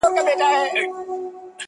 چي فلک به کوږ ورګوري دښمن زما دی-